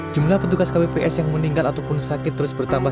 jumlah petugas kpps yang meninggal ataupun sakit terus bertambah